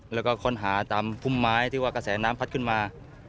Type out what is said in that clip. แล้วก็ค้นหาตามพุ่มไม้ที่ว่ากระแสน้ำพัดขึ้นมา